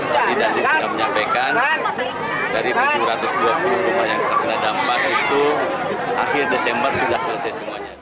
jadi dandit sudah menyampaikan dari tujuh ratus dua puluh rumah yang terkena dampak itu akhir desember sudah selesai semuanya